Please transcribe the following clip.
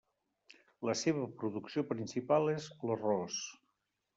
La seva producció principal és l'arròs.